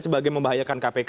sebagai membahayakan kpk